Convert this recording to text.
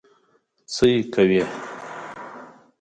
څه یې کوې؟